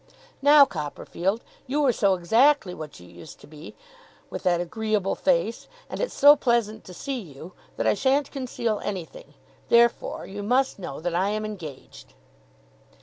Now, Copperfield, you are so exactly what you used to be, with that agreeable face, and it's so pleasant to see you, that I sha'n't conceal anything. Therefore you must know that I am engaged.